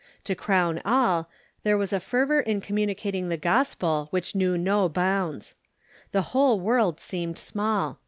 To crown all, there was a fer vor in communicating the gospel which knew no bounds. The whole world seemed small.